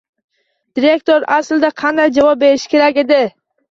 Direktor aslida qanday javob berishi kerak edi?